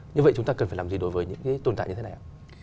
như vậy chúng ta cần phải làm gì đối với những cái tồn tại như thế này ạ